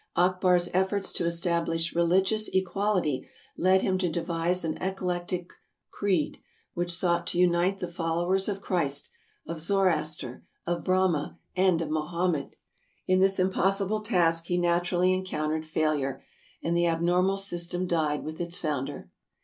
Akbar 's efforts to establish religious equality led him to devise an eclectic creed, which sought to unite the followers of Christ, of Zoroaster, of Brahma, and of Mohammed. In this impossible task he naturally encountered failure, and the abnormal system died with its founder.